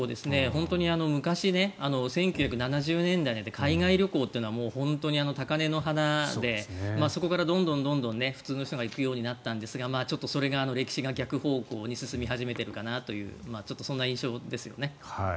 本当に昔、１９７０年代なんて海外旅行なんて本当に高嶺の花でそこからどんどん普通の人が行くようになったんですがちょっとそれが歴史が逆方向に進み始めているかなというちょっとそんな印象ですよね。